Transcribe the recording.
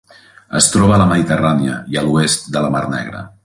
Es troba a la Mediterrània i a l'oest de la mar Negra.